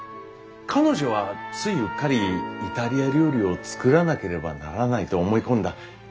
彼女はついうっかりイタリア料理を作らなければならないと思い込んだ。